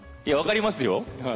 いや分かりますよ。